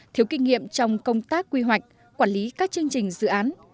thiếu kinh nghiệm trong công tác quy hoạch quản lý các chương trình dự án